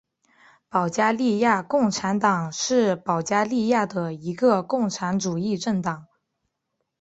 保加利亚共产党是保加利亚的一个共产主义政党。